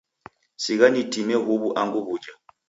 Sigha nitime huw'u angu w'uja.